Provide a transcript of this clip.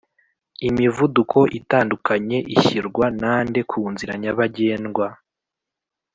Imivuduko itandukanye ishyirwa nande kunzira nyabangendwa